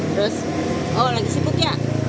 terus oh lagi sibuk ya